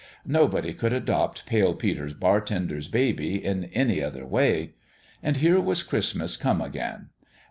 Nobody could adopt Pale Peter's bartender's baby in any other way. And here was Christmas come again